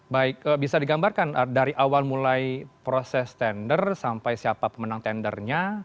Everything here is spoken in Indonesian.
baik bisa digambarkan dari awal mulai proses tender sampai siapa pemenang tendernya